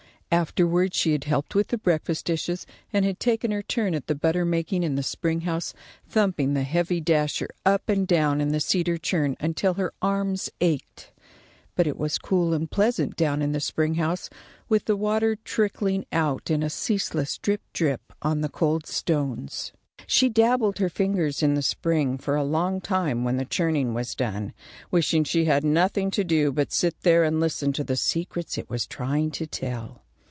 Afterward she had helped with the breakfast dishes and had taken her turn at the butter making in the spring house, thumping the heavy dasher up and down in the cedar churn until her arms ached. But it was cool and pleasant down in the spring house with the water trickling out in a ceaseless drip drip on the cold stones. She dabbled her fingers in the spring for a long time when the churning was done, wishing she had nothing to do but sit there and listen to the secrets it was trying to tell.